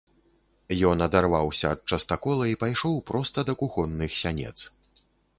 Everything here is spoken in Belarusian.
Ён адарваўся ад частакола і пайшоў проста да кухонных сянец.